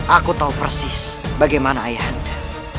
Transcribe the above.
aku tahu persis bagaimana ayah anda